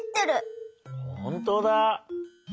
ほんとうだ！